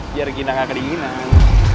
biar dina gak kedinginan